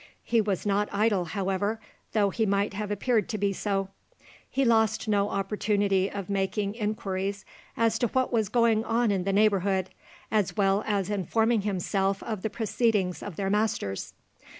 He was not idle, however, though he might have appeared to be so. He lost no opportunity of making inquiries as to what was going on in the neighbourhood, as well as informing himself of the proceedings of their masters.